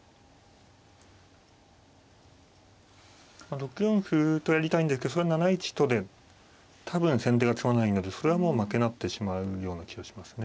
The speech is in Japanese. ６四歩とやりたいんだけどそれは７一とで多分先手が詰まないのでそれはもう負けになってしまうような気がしますね。